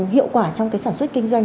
hiệu quả trong cái sản xuất kinh doanh